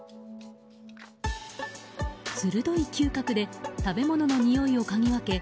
鋭い嗅覚で食べ物のにおいをかぎ分け